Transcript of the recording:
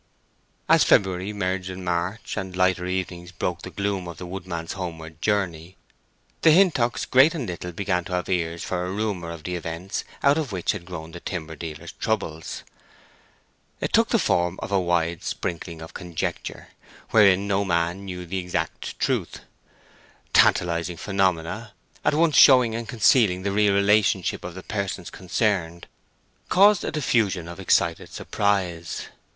As February merged in March, and lighter evenings broke the gloom of the woodmen's homeward journey, the Hintocks Great and Little began to have ears for a rumor of the events out of which had grown the timber dealer's troubles. It took the form of a wide sprinkling of conjecture, wherein no man knew the exact truth. Tantalizing phenomena, at once showing and concealing the real relationship of the persons concerned, caused a diffusion of excited surprise.